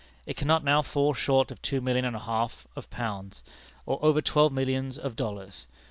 It cannot now fall short of two millions and a half of pounds, or over twelve millions of dollars.